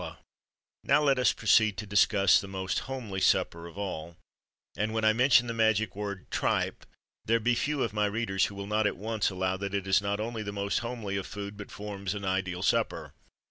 And now let us proceed to discuss the most homely supper of all, and when I mention the magic word Tripe there be few of my readers who will not at once allow that it is not only the most homely of food, but forms an ideal supper.